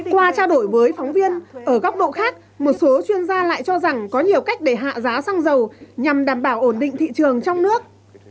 qua trao đổi với phóng viên ở góc độ khác một số chuyên gia lại cho rằng có nhiều cách để hạ giá xăng dầu nhằm đảm bảo ổn định thị trường trong nước